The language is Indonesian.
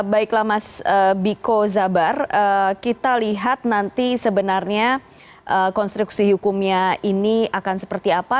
baiklah mas biko zabar kita lihat nanti sebenarnya konstruksi hukumnya ini akan seperti apa